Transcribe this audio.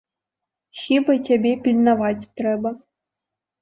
Хіба цябе пільнаваць трэба.